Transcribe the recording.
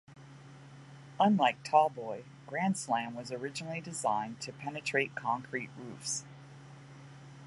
Unlike Tallboy, Grand Slam was originally designed to penetrate concrete roofs.